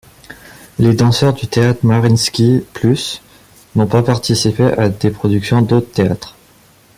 Les danseurs du théâtre Mariinsky plus n'ont pas participé à des productions d'autres théâtres.